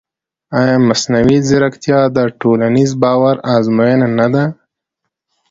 ایا مصنوعي ځیرکتیا د ټولنیز باور ازموینه نه ده؟